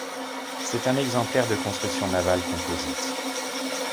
C'est un exemplaire de construction navale composite.